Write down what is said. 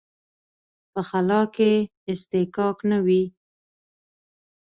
په خلا کې اصطکاک نه وي.